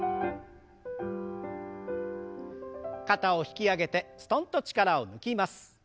肩を引き上げてすとんと力を抜きます。